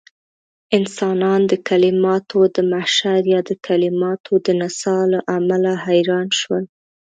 انسانان د کليماتو د محشر يا د کليماتو د نڅاه له امله حيران شول.